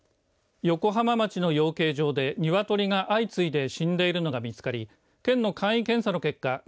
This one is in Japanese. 横浜町の養鶏場でニワトリが相次いで死んでいるのが見つかり県の簡易検査の結果